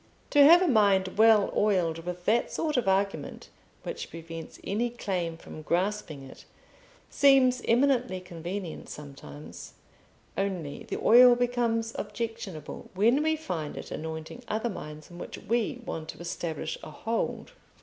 To have a mind well oiled with that sort of argument which prevents any claim from grasping it, seems eminently convenient sometimes: only the oil becomes objectionable when we find it anointing other minds on which we want to establish a hold.